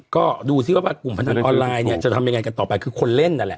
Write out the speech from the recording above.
ก็ดูสิว่ากลุ่มพนันออนไลน์เนี่ยจะทำยังไงกันต่อไปคือคนเล่นนั่นแหละ